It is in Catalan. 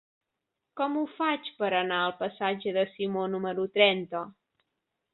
Com ho faig per anar al passatge de Simó número trenta?